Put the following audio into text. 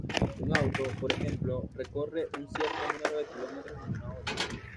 Un auto, por ejemplo, recorre un cierto número de kilómetros en una hora.